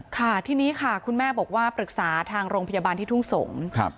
ค่ะทีนี้ค่ะคุณแม่บอกว่าปรึกษาทางโรงพยาบาลที่ทุ่งสงศ์